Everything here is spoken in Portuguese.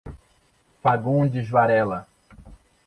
Fagundes Varela